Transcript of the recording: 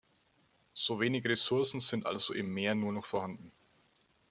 So wenig Ressourcen sind also im Meer nur noch vorhanden.